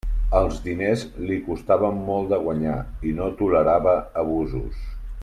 Els diners li costaven molt de guanyar, i no tolerava abusos.